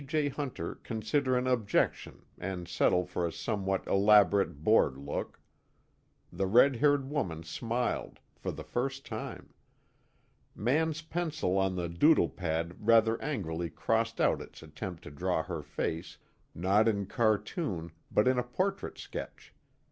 J. Hunter consider an objection and settle for a somewhat elaborate bored look. The red haired woman smiled, for the first time. Mann's pencil on the doodle pad rather angrily crossed out its attempt to draw her face, not in cartoon but in a portrait sketch.